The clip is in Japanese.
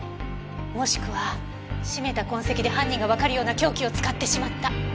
もしくは絞めた痕跡で犯人がわかるような凶器を使ってしまった。